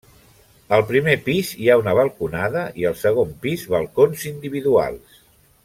Al primer pis hi ha una balconada i al segon pis balcons individuals.